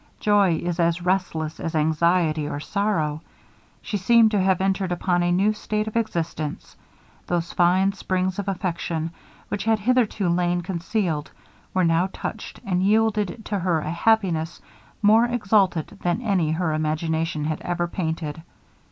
Joy is as restless as anxiety or sorrow. She seemed to have entered upon a new state of existence; those fine springs of affection which had hitherto lain concealed, were now touched, and yielded to her a happiness more exalted than any her imagination had ever painted.